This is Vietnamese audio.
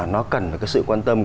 nó cần được cái sự quan tâm